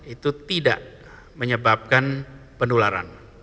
itu tidak menyebabkan penularan